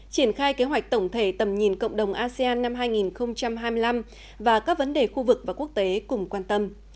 triển khai kế hoạch tổng thể tầm nhìn cộng đồng asean năm hai nghìn hai mươi năm và các vấn đề khu vực và quốc tế cùng quan tâm